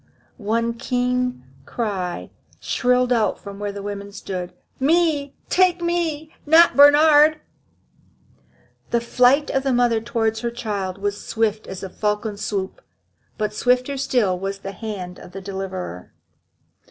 One keen cry shrilled out from where the women stood: "Me! take me! not Bernhard!" The flight of the mother towards her child was swift as the falcon's swoop. But swifter still was the hand of the deliverer.